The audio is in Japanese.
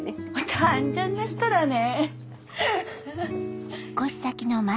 単純な人だね。